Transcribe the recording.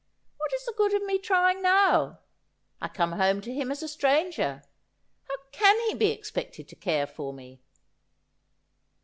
What is the good of my trying now ? I come home to him as a stranger. How can he be expected to care for me